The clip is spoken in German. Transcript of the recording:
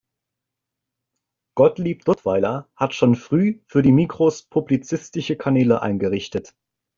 Gottlieb Duttweiler hat schon früh für die Migros publizistische Kanäle eingerichtet.